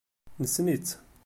Nessen-itt.